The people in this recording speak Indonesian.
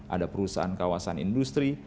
ada perusahaan kawasan industri